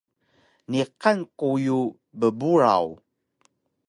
Niqan quyu bburaw